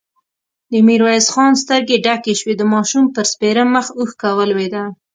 د ميرويس خان سترګې ډکې شوې، د ماشوم پر سپېره مخ اوښکه ولوېده.